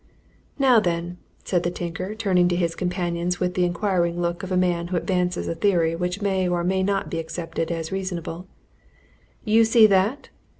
"Now then!" said the tinker, turning on his companions with the inquiring look of a man who advances a theory which may or may not be accepted as reasonable, "you see that?